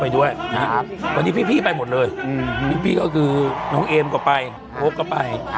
ไปด้วยนะครับวันนี้พี่พี่ไปหมดเลยอืมพี่พี่ก็คือน้องเอมก็ไปโอ๊คก็ไป